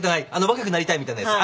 若くなりたいみたいなやつ。